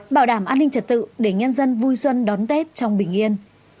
bảo đảm an ninh trật tự để nhân dân vui xuân đón tết trong bình yên